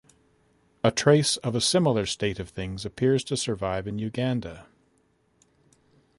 A trace of a similar state of things appears to survive in Uganda.